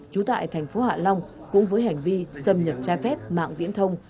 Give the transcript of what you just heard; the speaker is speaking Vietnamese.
chú tại thành phố hạ long cũng với hành vi xâm nhập trai phép mạng viễn thông